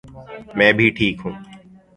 میں بھی ٹھیک ہوں